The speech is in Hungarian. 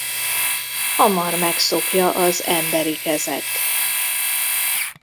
Hamar megszokja az emberi kezet.